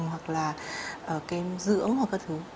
hoặc là kem dưỡng hoặc các thứ